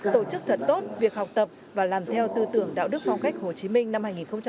tổ chức thật tốt việc học tập và làm theo tư tưởng đạo đức phong cách hồ chí minh năm hai nghìn hai mươi